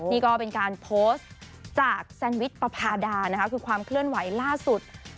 นี่ก็เป็นการโพสต์จากแซนวิชประพาดานะคะคือความเคลื่อนไหวล่าสุด